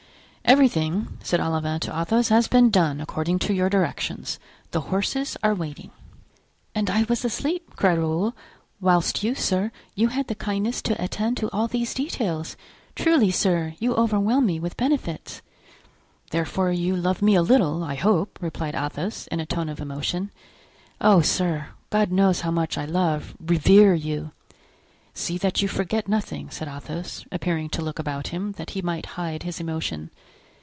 "Everything," said Olivain to Athos, "has been done according to your directions; the horses are waiting." "And I was asleep," cried Raoul, "whilst you, sir, you had the kindness to attend to all these details. Truly, sir, you overwhelm me with benefits!" "Therefore you love me a little, I hope," replied Athos, in a tone of emotion. "Oh, sir! God knows how much I love, revere you." "See that you forget nothing," said Athos, appearing to look about him, that he might hide his emotion.